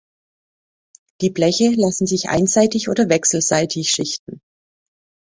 Die Bleche lassen sich einseitig oder wechselseitig schichten.